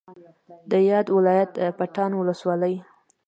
د یاد ولایت پټان ولسوالۍ